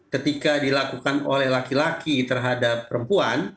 ketika dilakukan oleh laki laki terhadap perempuan